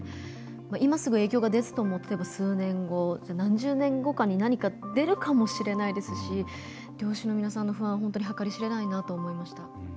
今すぐ影響が出ずとも数年後何十年後かに何か出るかもしれないですし漁師の皆さんの不安は本当に計り知れないなと思いました。